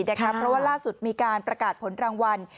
เพราะว่าล่าสุดมีการประกาศผลรางวัล